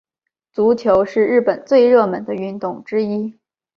足球是日本最热门的运动之一。